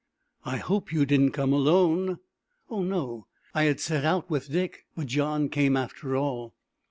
"I hope you did not come alone!" "Oh, no. I had set out with Dick, but John came after all."